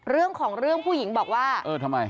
เรื่องของเรื่องผู้หญิงบอกว่าเออทำไม